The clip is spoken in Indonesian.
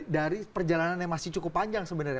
dari perjalanannya masih cukup panjang sebenarnya